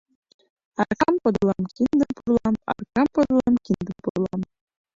Аракам подылам, киндым пурлам, аракам подылам, киндым пурлам.